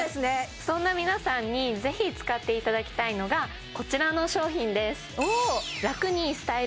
そんな皆さんにぜひ使っていただきたいのがこちらの商品です